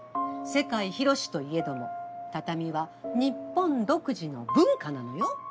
世界広しといえども畳は日本独自の文化なのよ。